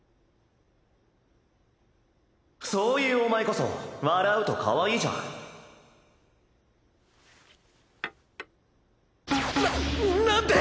そういうお前こそ笑うとかわいいじゃななんで⁉